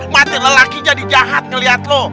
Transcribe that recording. mati lelaki jadi jahat ngeliat lo